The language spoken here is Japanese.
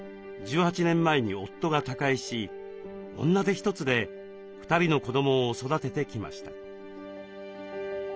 １８年前に夫が他界し女手一つで２人の子どもを育ててきました。